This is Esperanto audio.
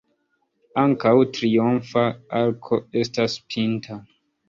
Ankaŭ triumfa arko estas pinta.